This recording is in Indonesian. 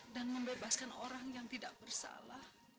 dan membebaskan orang yang tidak bersalah